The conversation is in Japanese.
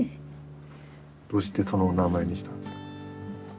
どうしてそのお名前にしたんですか？